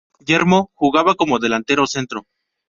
Yermo jugaba como delantero centro.